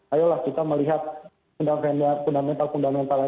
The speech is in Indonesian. ayolah kita melihat fundamental fundamental